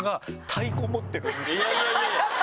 いやいやいやいや！